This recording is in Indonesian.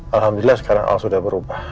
alhamdulillah sekarang sudah berubah